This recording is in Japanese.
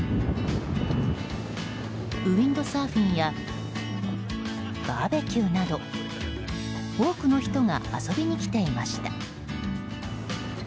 ウィンドサーフィンやバーベキューなど多くの人が遊びに来ていました。